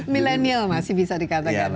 millenial masih bisa dikatakan ya reza